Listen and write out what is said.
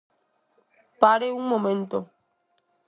Pare un momento.